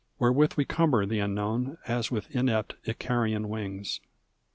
Wherewith we cumber the Unknown As with inept, Icarian wings.